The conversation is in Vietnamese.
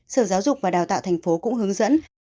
sở giáo dục và đào tạo tp hcm cũng hướng dẫn